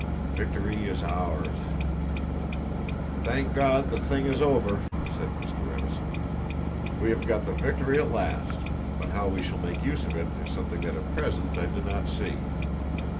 Victory Is Ours! "Thank God, the thing is over," said Mr. Edison. "We have got the victory at last, but how we shall make use of it is something that at present I do not see."